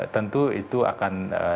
tentu itu akan ditutup